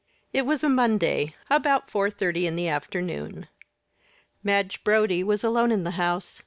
It was a Monday; about four thirty in the afternoon. Madge Brodie was alone in the house.